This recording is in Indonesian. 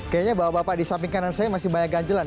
kayaknya bapak bapak di samping kanan saya masih banyak ganjelan